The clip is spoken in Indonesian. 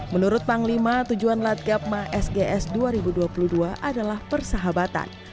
menurut panglima tujuan latgabma sgs dua ribu dua puluh dua adalah persahabatan